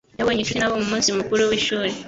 Yabonye inshuti nabo mu munsi mukuru w’ishuri.